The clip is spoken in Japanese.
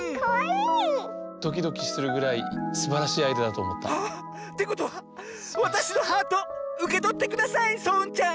ドキドキするぐらいすばらしいアイデアだとおもった。ってことはわたしのハートうけとってくださいそううんちゃん！